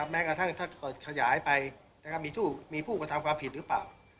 แม้กระทั่งถ้าเกิดขยายไปมีผู้กระทำความผิดหรือเปล่า